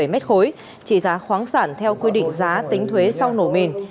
một trăm một mươi bảy mét khối chỉ giá khoáng sản theo quy định giá tính thuế sau nổ mìn